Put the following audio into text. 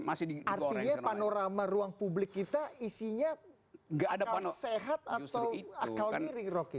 artinya panorama ruang publik kita isinya sehat atau akal miring rocky